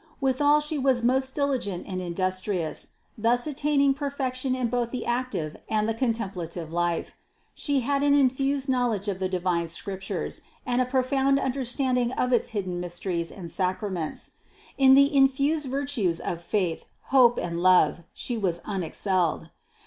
Withal she was most diligent and industrious, thus attaining perfection in both the active and the contemplative life. She had an infused knowledge of the divine Scriptures and a profound understanding of its hidden mysteries and sacraments. In the infused virtues of faith, hope and love she was unexcelled.